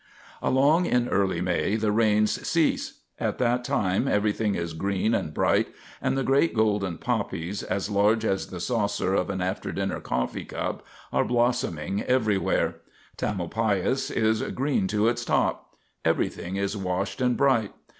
Along in early May the rains cease. At that time everything is green and bright, and the great golden poppies, as large as the saucer of an after dinner coffee cup, are blossoming everywhere. Tamalpais is green to its top; everything is washed and bright.